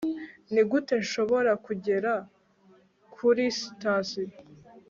nigute nshobora kugera kuri sitasiyo